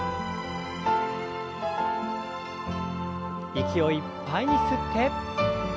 息をいっぱいに吸って。